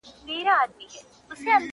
سپرلی ټینکه وعده وکړي چي را ځمه,